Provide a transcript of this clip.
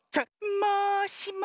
「もしも」